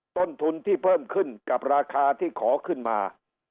ต้นทุนที่เพิ่มขึ้นกับราคาที่ขอขึ้นมา